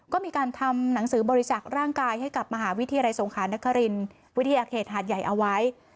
ก็มีการทำหนังสือบริจักษ์ร่างกายให้กับมหาวิทยาลัยสงขานครินวิทยาเขตหาดใหญ่เอาไว้